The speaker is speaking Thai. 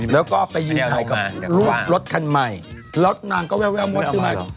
แล้วก็ไปยืนไทกับรถคันใหม่แล้วนางก็แววหมดทำอะไรละ